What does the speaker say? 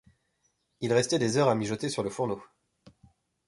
Il restait des heures à mijoter sur le fourneau.